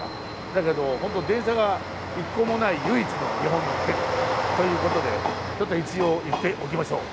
だけどホント電車が一個もない唯一の日本の県ということでちょっと一応言っておきましょう。